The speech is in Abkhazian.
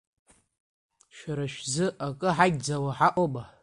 Шәара шәзы акы ҳаигӡауа ҳаҟоума?